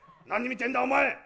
何見てんだお前！